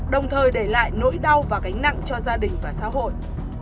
đồng thời để lại nỗi đau và gánh nặng cho gia đình và xã hội